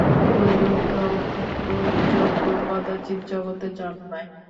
ঐরূপ ব্রহ্মজ্ঞ কদাচিৎ জগতে জন্মায়।